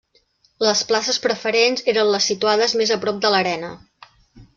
Les places preferents eren les situades més a prop de l'arena.